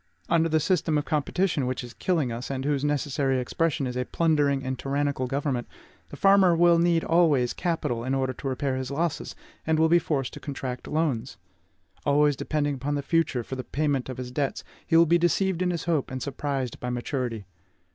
Under the system of competition which is killing us, and whose necessary expression is a plundering and tyrannical government, the farmer will need always capital in order to repair his losses, and will be forced to contract loans. Always depending upon the future for the payment of his debts, he will be deceived in his hope, and surprised by maturity.